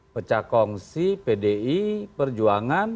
pecahkongsi pdi perjuangan